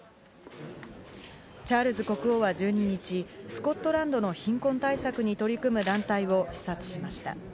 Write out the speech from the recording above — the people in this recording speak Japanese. チャールズ国王は１２日、スコットランドの貧困対策に取り組む団体を視察しました。